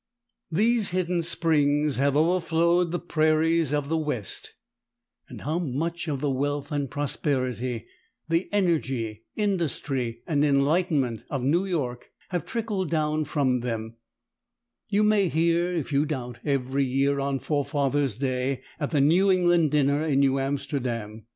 These hidden springs have overflowed the prairies of the West; and how much of the wealth and prosperity, the energy, industry, and enlightenment of New York have trickled down from them, you may hear, if you doubt, every year on Forefathers' Day at the New England dinner in New Amsterdam.